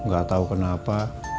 gak tau kenapa